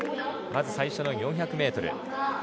最初の４００ｍ。